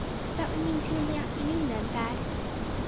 "That would mean two in the afternoon, then, Thad?"